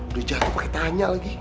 udah jatuh pake tanya lagi